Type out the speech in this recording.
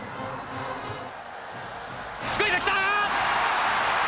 スクイズ来た！